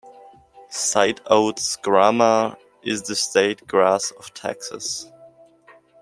Sideoats grama is the state grass of Texas.